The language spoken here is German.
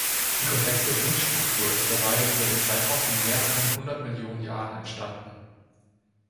Die komplexe Ringstruktur ist dabei über den Zeitraum von mehreren hundert Millionen Jahren entstanden.